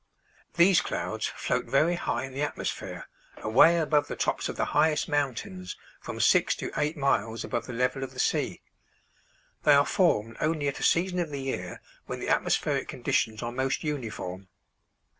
These clouds float very high in the atmosphere, away above the tops of the highest mountains, from six to eight miles above the level of the sea. They are formed only at a season of the year when the atmospheric conditions are most uniform.